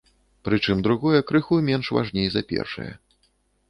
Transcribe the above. Прычым другое крыху менш важней за першае.